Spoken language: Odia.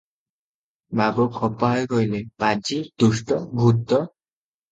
ବାବୁ ଖପା ହୋଇ କହିଲେ, “ପାଜି, ଦୁଷ୍ଟ, ଭୂତ ।